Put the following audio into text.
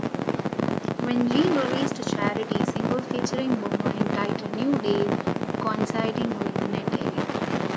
Wyclef Jean released a charity single featuring Bono entitled "New Day" coinciding with NetAid.